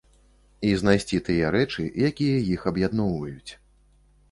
І знайсці тыя рэчы, якія іх аб'ядноўваюць.